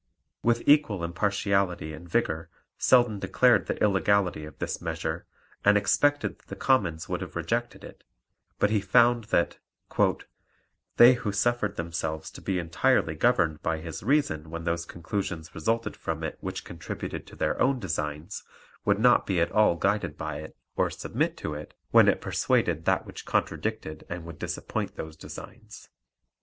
With equal impartiality and vigour Selden declared the illegality of this measure, and expected that the Commons would have rejected it, but he found that "they who suffered themselves to be entirely governed by his Reason when those conclusions resulted from it which contributed to their own designs, would not be at all guided by it, or submit to it, when it persuaded that which contradicted and would disappoint those designs."